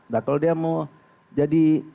nah kalau dia mau jadi